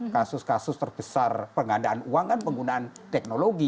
kasus kasus terbesar pengadaan uang kan penggunaan teknologi